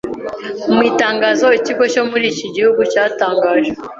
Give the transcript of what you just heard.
Mu itangazo Ikigo cyo muri iki gihugu cyatangaje